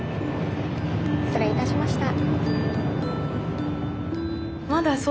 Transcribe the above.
失礼いたしました。